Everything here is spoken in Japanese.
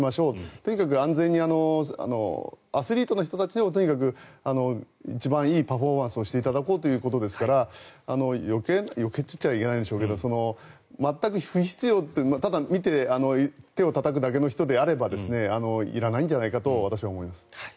とにかく安全にアスリートの人たちに一番いいパフォーマンスをしていただこうということですから余計と言っちゃいけないんでしょうけど全く不必要ただ見て、手をたたく人であればいらないんじゃないかと私は思います。